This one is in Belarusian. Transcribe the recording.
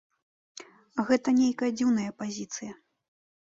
Гэта нейкая дзіўная пазіцыя.